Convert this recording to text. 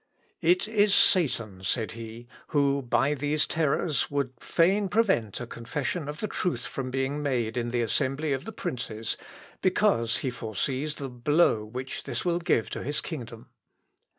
"It is Satan," said he, "who, by these terrors, would fain prevent a confession of the truth from being made in the assembly of the princes, because he foresees the blow which this will give to his kingdom."